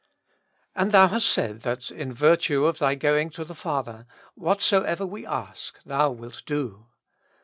And Thou hast said that in virtue of Thy going to the Father, whatsoever we ask. Thou wilt do.